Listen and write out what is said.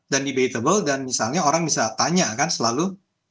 dan debatable dan misalnya orang bisa tanya kan selalu